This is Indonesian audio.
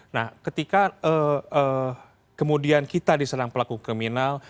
nah ketika kemudian kita diserang pelaku kriminal